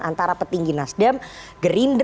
antara petinggi nasdem